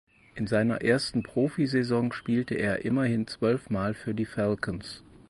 In seiner ersten Profisaison spielte er immerhin zwölf Mal für die Falcons.